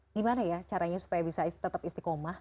gimana ya caranya supaya bisa tetap istiqomah